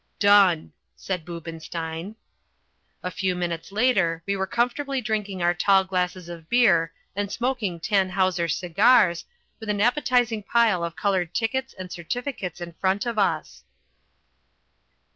"Done!" said Boobenstein. A few moments later we were comfortably drinking our tall glasses of beer and smoking Tannhauser cigars, with an appetising pile of coloured tickets and certificates in front of us.